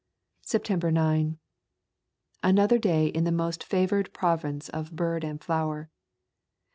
September 9. Another day in the most fa vored province of bird and flower.